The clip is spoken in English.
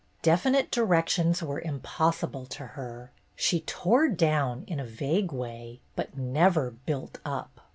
Defi nite directions were impossible to her. She tore down in a vague way, but never built up.